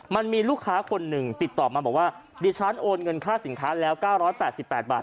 มันมีลูกค้าคนหนึ่งติดต่อมาบอกว่าดิฉันโอนเงินค่าสินค้าแล้ว๙๘๘บาท